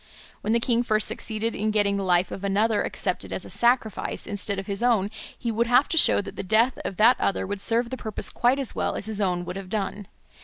When the king first succeeded in getting the life of another accepted as a sacrifice instead of his own, he would have to show that the death of that other would serve the purpose quite as well as his own would have done.